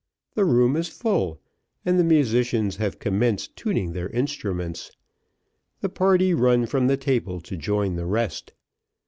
The room is full, and the musicians have commenced tuning their instruments; the party run from the table to join the rest.